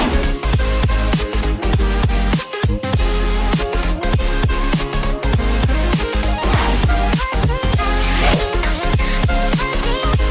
กินมือพร้อม๓๔